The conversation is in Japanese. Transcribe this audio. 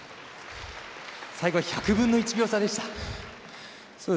最後、１００分の１秒差でした。